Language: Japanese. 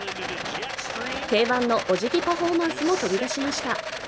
定番のおじぎパフォーマンスも飛び出しました。